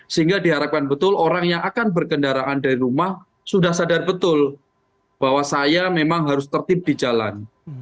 sehingga diharapkan betul orang yang akan berkendaraan dari rumah sudah sadar betul bahwa saya memang harus tertib di jalan